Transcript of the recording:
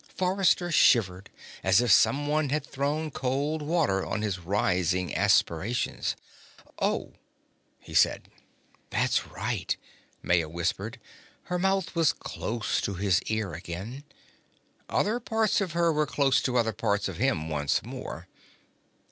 Forrester shivered as if someone had thrown cold water on his rising aspirations. "Oh," he said. "That's right," Maya whispered. Her mouth was close to his ear again. Other parts of her were close to other parts of him once more.